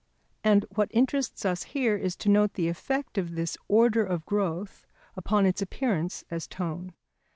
And what interests us here is to note the effect of this order of growth upon its appearance as tone.